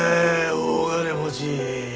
大金持ち！